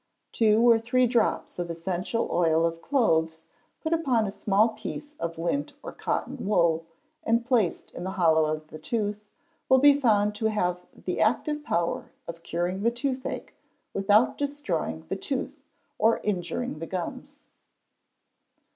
Two or three drops of essential oil of cloves put upon a small piece of lint or cotton wool, and placed in the hollow of the tooth, will be found to have the active power of curing the toothache without destroying the tooth or injuring the gums.